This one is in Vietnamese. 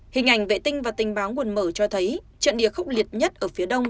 hình ảnh vệ tinh và tình báo nguồn mở cho thấy trận địa khốc liệt nhất ở phía đông